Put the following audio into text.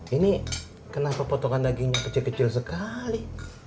ini kenapa potongan dagingnya kecil kecil sekali